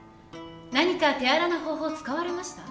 何か手荒な方法使われました？